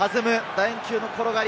楕円球の転がり。